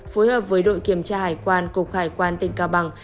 phối hợp với đội kiểm tra hải quan cục hải quan tỉnh cao bằng